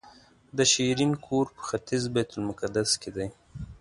د شیرین کور په ختیځ بیت المقدس کې دی.